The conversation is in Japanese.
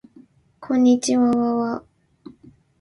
こんにちわわわわ